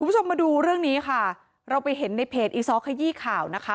คุณผู้ชมมาดูเรื่องนี้ค่ะเราไปเห็นในเพจอีซ้อขยี้ข่าวนะคะ